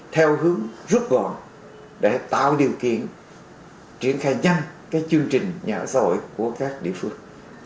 theo hướng rút gọn để tạo điều kiện triển khai nhanh chương trình nhà ở xã hội của các địa phương